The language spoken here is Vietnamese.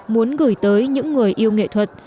muốn gửi tới những người yêu nghệ thuật